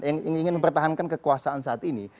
yang ingin mempertahankan kekuasaan saat ini